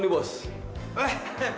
m cakes pak